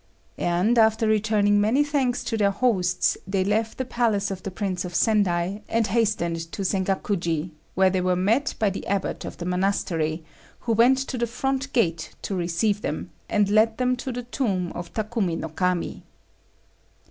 And, after returning many thanks to their hosts, they left the palace of the Prince of Sendai and hastened to Sengakuji, where they were met by the abbot of the monastery, who went to the front gate to receive them, and led them to the tomb of Takumi no Kami.